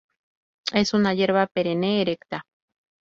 Es una hierba perenne, erecta.